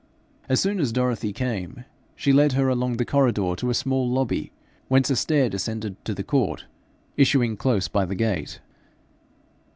As soon as Dorothy came, she led her along the corridor to a small lobby whence a stair descended to the court, issuing close by the gate.